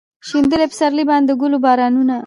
شیندلي پسرلي باندې د ګلو بارانونه